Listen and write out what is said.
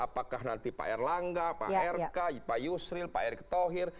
pak erlangga pak rk pak yusril pak erick thohir